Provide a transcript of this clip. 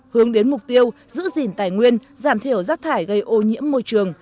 hướng đến mục tiêu giữ gìn tài nguyên giảm thiểu rác thải gây ô nhiễm môi trường